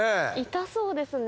痛そうですね。